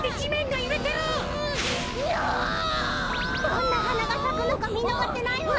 どんなはながさくのかみのがせないわ！